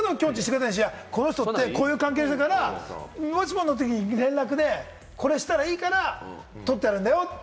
この人ってこういう関係の人だから、もしものときに連絡したいから取ってるんだよって。